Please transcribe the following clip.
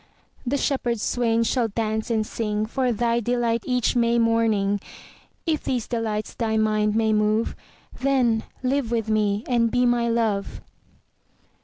20 The shepherd swains shall dance and sing For thy delight each May morning: If these delights thy mind may move, Then live with me and be my Love.